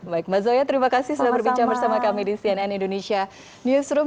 baik mas zoya terima kasih sudah berbincang bersama kami di cnn indonesia newsroom